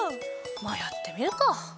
まぁやってみるか。